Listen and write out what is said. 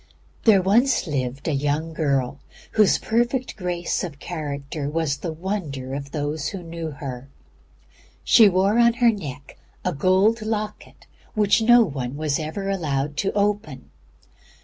There lived once a young girl whose perfect grace of character was the wonder of those who knew her. She wore on her neck a gold locket which no one was ever allowed to open.